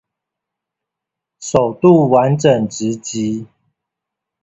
首度完整直擊